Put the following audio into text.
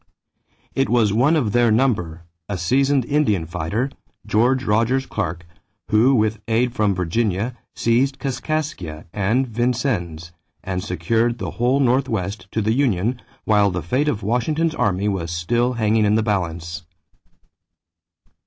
It was one of their number, a seasoned Indian fighter, George Rogers Clark, who with aid from Virginia seized Kaskaskia and Vincennes and secured the whole Northwest to the union while the fate of Washington's army was still hanging in the balance.